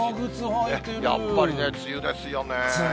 やっぱり梅雨ですよね。